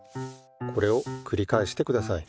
これをくりかえしてください。